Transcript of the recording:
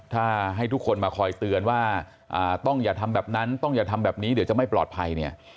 ถ้าให้ทุกคนมาคอยเตือนว่าต้องอย่าทำแบบนั้นต้องอย่าทำแบบนี้เดี๋ยวจะไม่ปลอดภัยเนี่ย